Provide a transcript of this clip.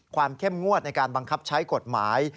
เข้มงวดในการบังคับใช้กฎหมาย